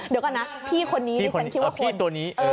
เดี๋ยวก่อนนะพี่คนนี้